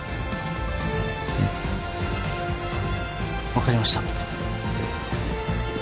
分かりました。